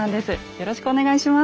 よろしくお願いします。